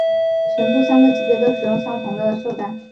全部三个级别都使用相同的绶带。